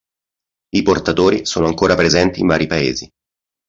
I portatori sono ancora presenti in vari paesi.